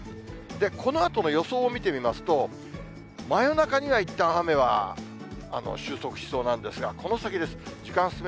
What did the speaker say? このあとの予想を見てみますと、真夜中にはいったん雨は収束しそうなんですが、この先です。